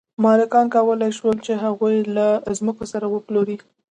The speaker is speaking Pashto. مالکانو کولی شول چې هغوی له ځمکو سره وپلوري.